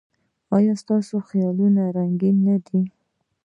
ایا ستاسو خیالونه رنګین نه دي؟